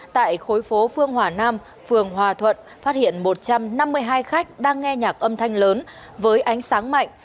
tại khối phố phương hòa nam phường hòa thuận phát hiện một trăm năm mươi hai khách đang nghe nhạc âm thanh lớn với ánh sáng mạnh